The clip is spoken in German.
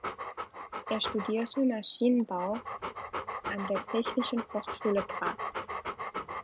Er studierte Maschinenbau an der Technischen Hochschule Graz.